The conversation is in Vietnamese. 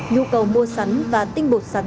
nhu cầu mua sắn và tinh bột sắn